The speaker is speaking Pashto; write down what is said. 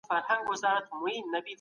زه نه غواړم چې خپل امنیت له لاسه ورکړم.